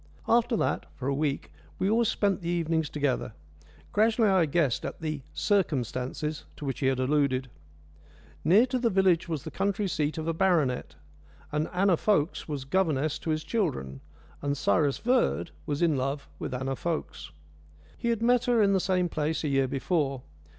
After that, for a week, we always spent the evenings together. Gradually I guessed at the "circumstances" to which he had alluded. Near to the village was the country seat of a baronet, and Anna Fokes was governess to his children, and Cyrus Verd was in love with Anna Fokes. He had met her in the same place a year before.